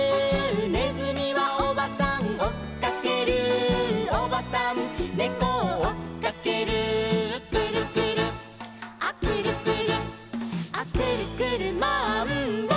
「ねずみはおばさんおっかける」「おばさんねこをおっかける」「くるくるアくるくるア」「くるくるマンボウ！」